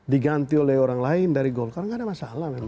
diganti oleh orang lain dari golkar nggak ada masalah memang